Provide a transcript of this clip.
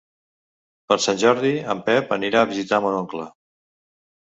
Per Sant Jordi en Pep anirà a visitar mon oncle.